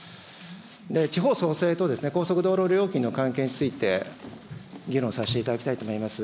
地方創生と高速道路料金の関係について、議論させていただきたいと思います。